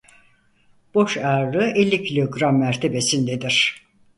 Boş ağırlığı elli kilogram mertebesindedir.